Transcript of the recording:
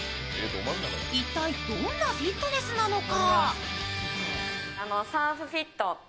一体どんなフィットネスなのか？